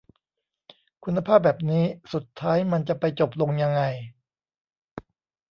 คุณภาพแบบนี้สุดท้ายมันจะไปจบลงยังไง